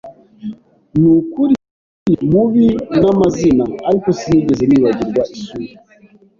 Nukuri mubi namazina, ariko sinigeze nibagirwa isura.